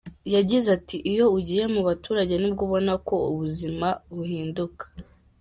Yagize ati “Iyo ugiye mu baturage nibwo ubona ko ubuzima buhinduka.